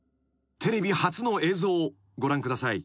［テレビ初の映像ご覧ください］